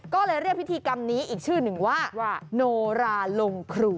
ก็เลยเรียกพิธีกรรมนี้อีกชื่อหนึ่งว่าโนราลงครู